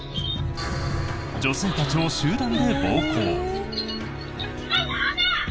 女性たちを集団で暴行。